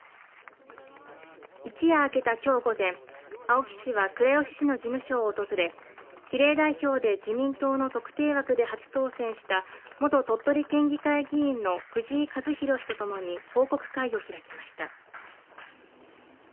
一夜明けたきょう午前、青木氏は倉吉市の事務所を訪れ比例代表で自民党の特定枠で初当選した元鳥取県議会議員の藤井一博氏とともに報告会を開きました。